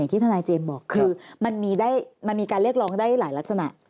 ที่ทนายเจมส์บอกคือมันมีการเรียกร้องได้หลายลักษณะ